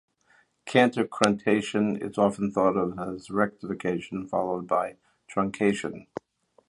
Cantitruncation is often thought of as rectification followed by truncation.